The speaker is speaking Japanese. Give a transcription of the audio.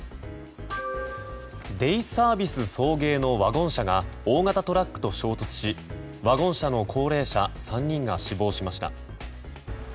デイサービス送迎のワゴン車が大型トラックと衝突しワゴン車の高齢者３人が死亡しました。